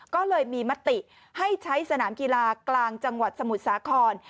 ก็เลยมีมติให้ใช้สนามกีฬากลางจังหวัดสมุทรสาคร